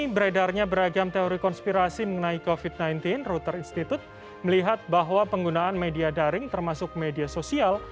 beredarnya beragam teori konspirasi mengenai covid sembilan belas router institute melihat bahwa penggunaan media daring termasuk media sosial